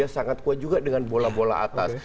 sangat kuat juga dengan bola bola atas